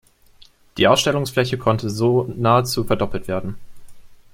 Die Ausstellungsfläche konnte so nahezu verdoppelt werden.